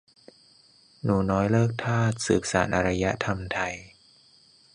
"หนูน้อยเลิกทาส สืบสานอารยธรรมไทย"